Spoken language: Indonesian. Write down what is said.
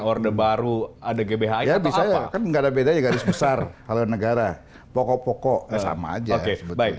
order baru ada gbh ya bisa enggak bedanya garis besar kalau negara pokok pokok sama aja oke baik